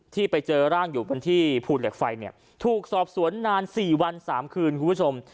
ที่ไปเจอร่างอยู่บนที่ภูเหล็กไฟเนี่ยถูกสอบสวนนาน๔วัน๓คืนคุณผู้ชม